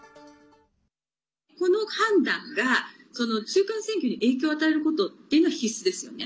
この判断が中間選挙に影響を与えることというのは必須ですよね。